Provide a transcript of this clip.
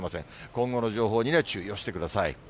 今後の情報には注意をしてください。